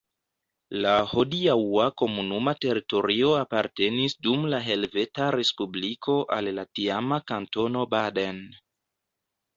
La hodiaŭa komunuma teritorio apartenis dum la Helveta Respubliko al la tiama Kantono Baden.